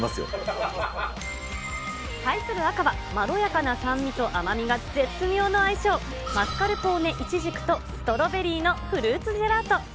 対する赤は、まろやかな酸味と甘みが絶妙な相性、マスカルポーネイチジクと、ストロベリーのデザート。